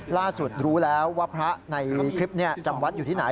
รู้แล้วว่าพระในคลิปนี้จำวัดอยู่ที่ไหน